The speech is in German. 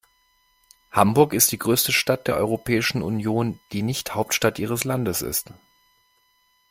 Hamburg ist die größte Stadt der Europäischen Union, die nicht Hauptstadt ihres Landes ist.